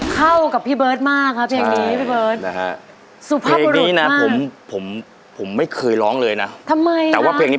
เข้ากับพี่เปิร์ทมากอะเพลงนี้